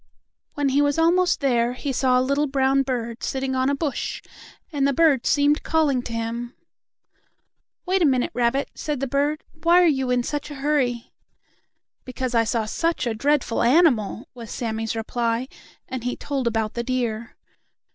When he was almost there he saw a little brown bird sitting on a bush, and the bird seemed calling to him. "Wait a minute, rabbit," said the bird. "Why are you in such a hurry?" "Because I saw such a dreadful animal," was Sammie's reply, and he told about the deer.